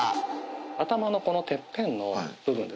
頭のこのてっぺんの部分です